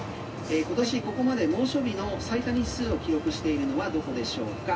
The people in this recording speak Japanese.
「今年ここまで猛暑日の最多日数を記録しているのはどこでしょうか？